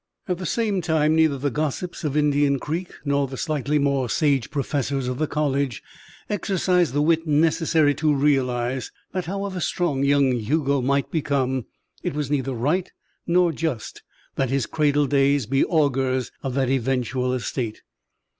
At the same time neither the gossips of Indian Creek nor the slightly more sage professors of the college exercised the wit necessary to realize that, however strong young Hugo might become, it was neither right nor just that his cradle days be augurs of that eventual estate.